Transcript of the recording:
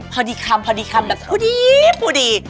พาดีคำถือแบบปูดี